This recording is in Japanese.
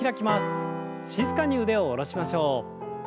静かに腕を下ろしましょう。